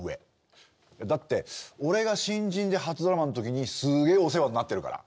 だって俺が新人で初ドラマのときにすげえお世話になってるから。